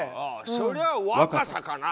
そりゃ若さかな。